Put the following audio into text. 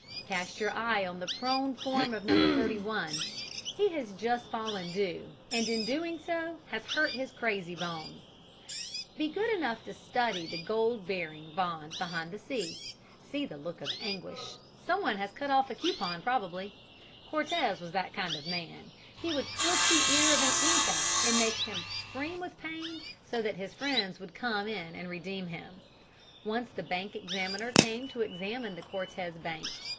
Cast your eye on the prone form of No. 31. He has just fallen due, and in doing so has hurt his crazy bone (see Appendix). Be good enough to study the gold bearing bond behind the screen. See the look of anguish. Some one has cut off a coupon probably. Cortez was that kind of a man. He would clip the ear of an Inca and make him scream with pain, so that his friends would come in and redeem him. Once the bank examiner came to examine the Cortez bank.